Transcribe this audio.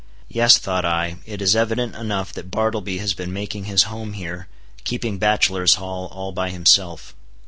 Yes, thought I, it is evident enough that Bartleby has been making his home here, keeping bachelor's hall all by himself.